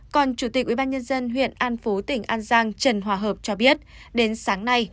còn chủ tịch ubnd huyện an phố tỉnh an giang trần hòa hợp cho biết đến sáng nay